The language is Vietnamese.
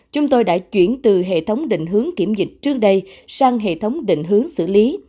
chúng tôi đã chuyển từ hệ thống định hướng kiểm dịch trước đây sang hệ thống định hướng xử lý